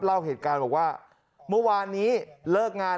เล่าเหตุการณ์บอกว่าเมื่อวานนี้เลิกงาน